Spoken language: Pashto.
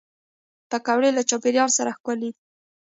پکورې له چاپېریال سره ښکلي دي